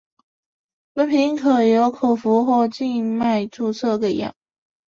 本品可由口服或静脉注射给药。